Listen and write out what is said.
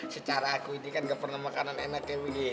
secara aku ini kan gak pernah makanan enak ya willy